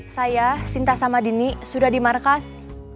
saya sinta sama dini sudah di markas